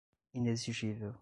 inexigível